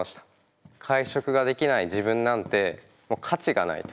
会食ができない自分なんて価値がないと。